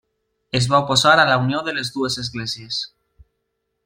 Es va oposar a la unió de les dues esglésies.